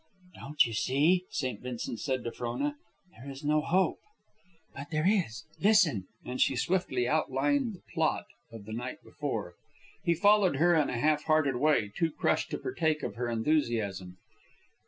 "Don't you see," St. Vincent said to Frona, "there is no hope?" "But there is. Listen!" And she swiftly outlined the plot of the night before. He followed her in a half hearted way, too crushed to partake of her enthusiasm.